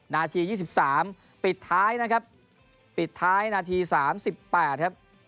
นาทียี่สิบสามปิดท้ายนะครับปิดท้ายนาทีสามสิบแปดครับ